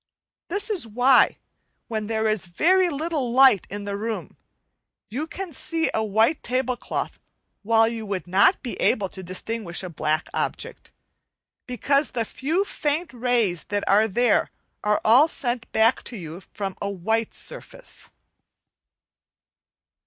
This is why, when there is very little light in the room, you can see a white tablecloth while you would not be able to distinguish a black object, because the few faint rays that are there, are all sent back to you from a white surface.